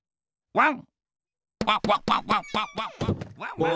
ワン！